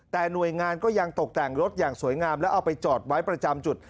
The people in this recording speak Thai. แต่หน่วยงานก็ยังตกแต่งรถอย่างสวยงามแล้วเอาไปจอดไว้ประจำจุด